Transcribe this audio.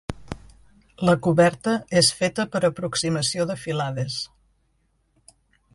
La coberta és feta per aproximació de filades.